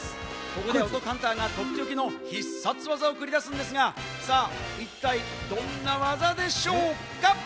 ここでお得ハンターがとっておきの必殺技を繰り出すんですが、一体、どんな技でしょうか？